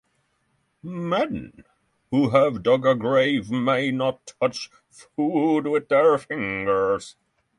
Men who have dug a grave may not touch food with their fingers.